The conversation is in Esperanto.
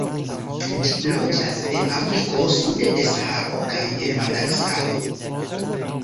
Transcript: Ĝi loĝas en Afriko sude de Saharo kaj en Madagaskaro.